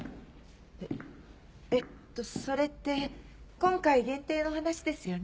えっとそれって今回限定の話ですよね？